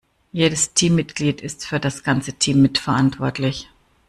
Jedes Teammitglied ist für das ganze Team mitverantwortlich.